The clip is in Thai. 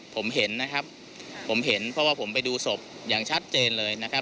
ผมเห็นนะครับผมเห็นเพราะว่าผมไปดูศพอย่างชัดเจนเลยนะครับ